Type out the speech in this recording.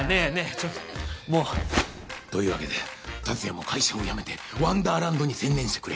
ちょっともう。というわけで達也も会社を辞めてワンダーランドに専念してくれ。